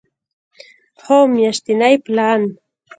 هو، میاشتنی پلان